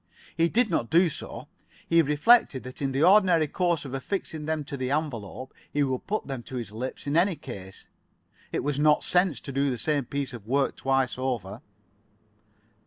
He did not do so. He reflected that in the ordinary course of affixing them to the envelope he would put them to his lips in any case. It was not sense to do the same piece of work twice over.